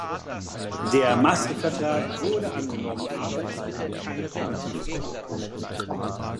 Der Maastricht-Vertrag wurde angenommen, aber es wurde kein politisches Europa geschaffen.